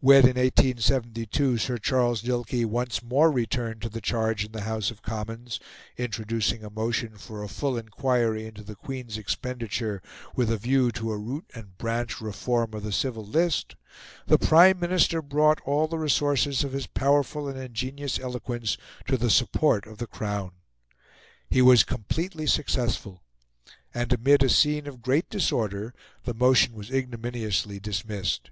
When, in 1872, Sir Charles Dilke once more returned to the charge in the House of Commons, introducing a motion for a full enquiry into the Queen's expenditure with a view to a root and branch reform of the Civil List, the Prime Minister brought all the resources of his powerful and ingenious eloquence to the support of the Crown. He was completely successful; and amid a scene of great disorder the motion was ignominiously dismissed.